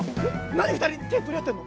何２人手取り合ってんの！？